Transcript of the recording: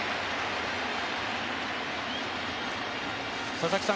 佐々木さん